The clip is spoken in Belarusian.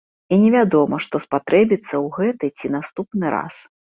І невядома, што спатрэбіцца ў гэты ці наступны раз.